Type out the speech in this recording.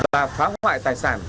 và phá hoại tài sản